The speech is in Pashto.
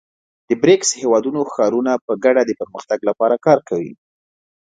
د بریکس هېوادونو ښارونه په ګډه د پرمختګ لپاره کار کوي.